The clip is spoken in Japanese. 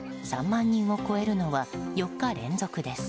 ３万人を超えるのは４日連続です。